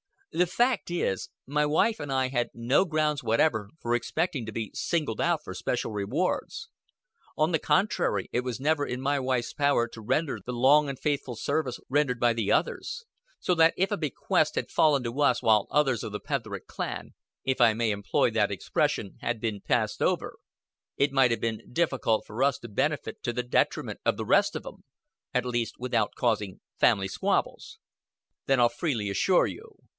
"The fact is, my wife and I had no grounds whatever for expecting to be singled out for special rewards. On the contrary, it was never in my wife's power to render the long and faithful service rendered by the others; so that if a bequest had fallen to us while others of the Petherick clan if I may employ that expression had bin passed over, it might have bin difficult for us to benefit to the detriment of the rest of 'em at least, without causing fam'ly squabbles." "Then I'll freely reassure you.